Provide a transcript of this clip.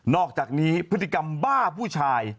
อกจากนี้พฤติกรรมบ้าผู้ชาย